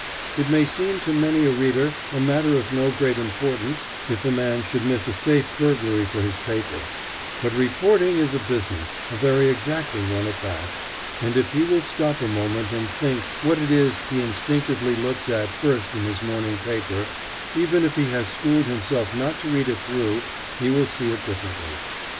It may seem to many a reader a matter of no great importance if a man should miss a safe burglary for his paper; but reporting is a business, a very exacting one at that, and if he will stop a moment and think what it is he instinctively looks at first in his morning paper, even if he has schooled himself not to read it through, he will see it differently.